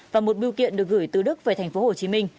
và một biêu kiện được gửi từ đức về tp hcm